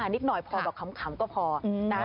นิดหน่อยพอแบบขำก็พอนะ